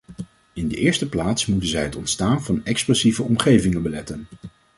In de eerste plaats moeten zij het ontstaan van explosieve omgevingen beletten.